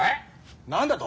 何だと！？